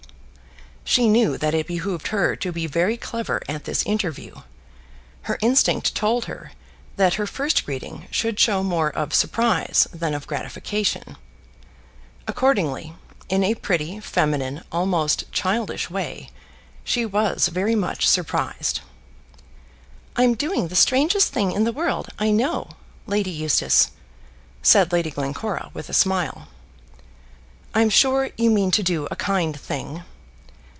She knew that it behoved her to be very clever at this interview. Her instinct told her that her first greeting should show more of surprise than of gratification. Accordingly, in a pretty, feminine, almost childish way, she was very much surprised. "I'm doing the strangest thing in the world, I know, Lady Eustace," said Lady Glencora with a smile. "I'm sure you mean to do a kind thing."